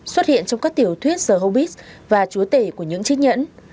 xuất hiện trong các tiểu thuyết the hobbit và chúa tể của những chiếc nhẫn